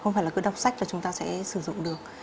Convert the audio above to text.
không phải là cứ đọc sách mà chúng ta sẽ sử dụng được